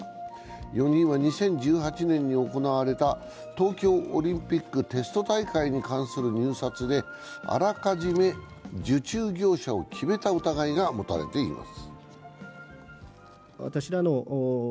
４人は２０１８年に行われた東京オリンピックテスト大会に関する入札であらかじめ受注業者を決めた疑いが持たれています。